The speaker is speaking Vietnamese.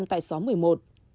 xã sài sơn tổ chức ba khu vực